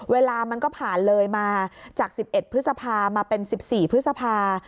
เวลามันก็ผ่านเลยมาจาก๑๑พฤษภามาเป็น๑๔พฤษภา